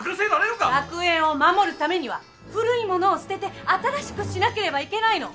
学園を守るためには古いものを捨てて新しくしなければいけないの！